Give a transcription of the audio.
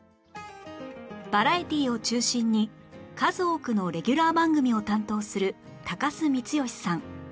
バラエティを中心に数多くのレギュラー番組を担当する高須光聖さん